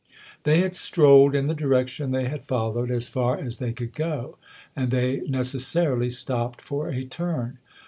They had strolled, in the direction they had followed, as far as they could go, and they neces sarily stopped for a turn.